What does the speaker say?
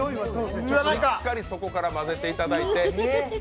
しっかりそこから混ぜていただいて。